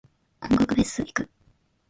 音楽フェス行く。